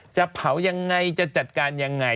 จะเผายังไงจะจัดการยังไง